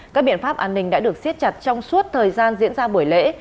các biện pháp an ninh đã được siết chặt trong suốt thời gian diễn ra buổi lễ